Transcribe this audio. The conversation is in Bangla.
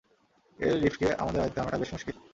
এই লিফটকে আমাদের আয়ত্বে আনাটা বেশ মুশকিল।